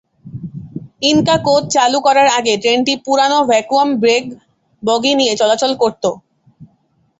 Inca কোচ চালু করার আগে ট্রেনটি পুরানো ভ্যাকুয়াম ব্রেক বগি নিয়ে চলাচল করত।